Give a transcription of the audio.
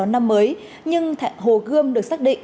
nhưng hồ gươm được xác định